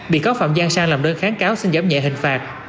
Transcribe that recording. bị cáo phạm gian sang làm đơn kháng cáo xin giám nhẹ hình phạt